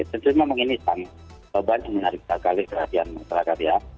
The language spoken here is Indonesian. tentu saja memang ini banyak menarik sekali perhatian masyarakat ya